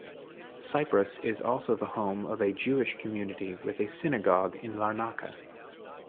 Cyprus is also the home of a Jewish community with a Synagogue in Larnaca.